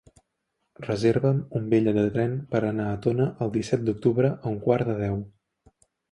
Reserva'm un bitllet de tren per anar a Tona el disset d'octubre a un quart de deu.